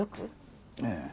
ええ。